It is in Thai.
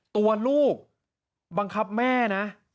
ตัวลูกบังคับแม่นะ